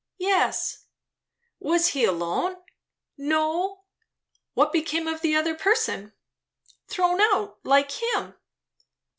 "Yes." "Was he alone?" "No." "What became of the other person?" "Thrown out, like him."